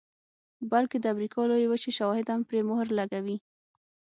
بلکې د امریکا لویې وچې شواهد هم پرې مهر لګوي